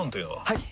はい！